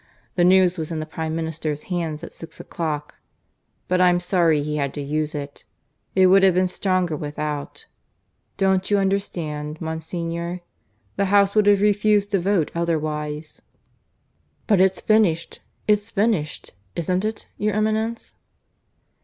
The news was in the Prime Ministers hands at six o'clock. But I'm sorry he had to use it; it would have been stronger without. ... Don't you understand, Monsignor? The House would have refused to vote otherwise." "But it's finished it's finished, isn't it, your Eminence?"